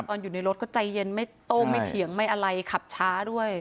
อยู่ในรถก็ใจเย็นไม่โต้ไม่เถียงไม่อะไรขับช้าด้วย